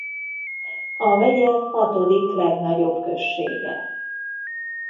A megye hatodik legnagyobb községe.